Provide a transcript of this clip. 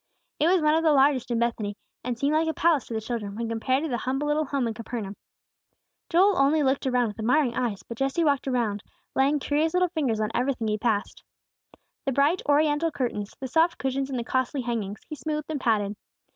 It was one of the largest in Bethany, and seemed like a palace to the children, when compared to the humble little home in Capernaum. Joel only looked around with admiring eyes; but Jesse walked about, laying curious little fingers on everything he passed. The bright oriental curtains, the soft cushions and the costly hangings, he smoothed and patted.